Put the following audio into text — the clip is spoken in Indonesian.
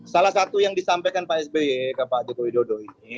salah satu yang disampaikan pak sby ke pak jokowi dodo ini